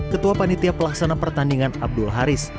ketua panitia pelaksana pertandingan abdul haris